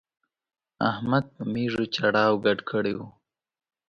احمد په مېږو چړاو ګډ کړی وو.